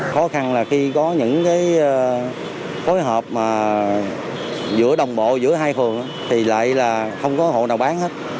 khó khăn là khi có những phối hợp giữa đồng bộ giữa hai phường thì lại là không có hộ nào bán hết